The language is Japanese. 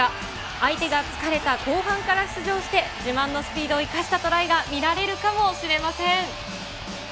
相手が疲れた後半から出場して、自慢のスピードを生かしたプレーが見られるかもしれません。